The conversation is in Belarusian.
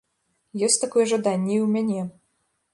Ёсць такое жаданне і ў мяне.